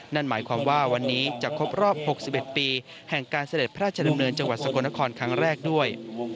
นั่นหมายความว่าวันนี้จะครบรอบ๖๑ปีแห่งการเสด็จพระราชดำเนินจังหวัดสกลนครครั้งแรกด้วย